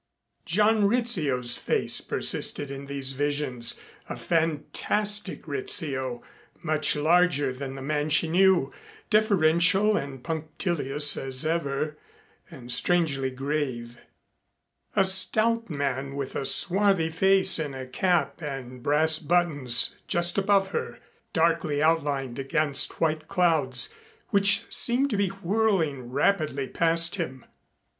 John Rizzio's face persisted in these visions, a fantastic Rizzio, much larger than the man she knew, deferential and punctilious as ever, and strangely grave. A stout man with a swarthy face in a cap and brass buttons, just above her, darkly outlined against white clouds which seemed to be whirling rapidly past him.